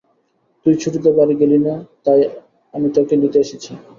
তুই ছুটিতে বাড়ি গেলি না, তাই আমি তোকে নিতে এসেছি।